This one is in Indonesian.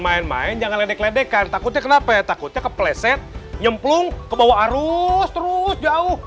main main jangan ledek ledekan takutnya kenapa takutnya kepleset nyemplung kebawa arus terus jauh